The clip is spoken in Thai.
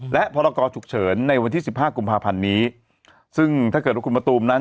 และพรกรฉุกเฉินในวันที่สิบห้ากุมภาพันธ์นี้ซึ่งถ้าเกิดว่าคุณมะตูมนั้น